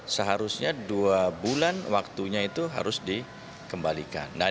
seharusnya dua bulan waktunya itu harus dikembalikan